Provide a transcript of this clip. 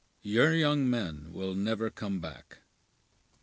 Your young men will never come back!"